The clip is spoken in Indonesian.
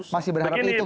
masih berharap itu tidak